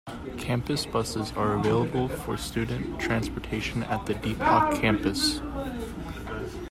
Campus buses are available for student transportation at the Depok campus.